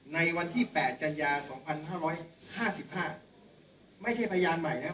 ในวันที่แปดจัญญาสองพันห้าร้อยห้าสิบห้าไม่ใช่พยานใหม่นะครับ